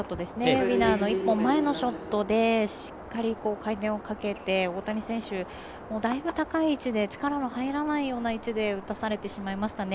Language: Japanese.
ウィナーの１本前のショットでしっかり回転をかけて大谷選手、だいぶ高い位置で力の入らないような位置で打たされてしまいましたね。